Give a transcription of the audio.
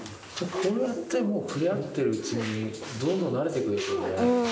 こうやってもう、触れ合ってるうちに、どんどんなれてくるんでしょうね。